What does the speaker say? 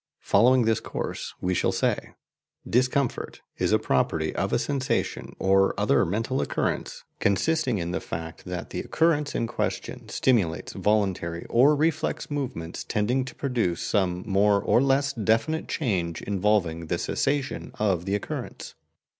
Following this course, we shall say: "Discomfort" is a property of a sensation or other mental occurrence, consisting in the fact that the occurrence in question stimulates voluntary or reflex movements tending to produce some more or less definite change involving the cessation of the occurrence.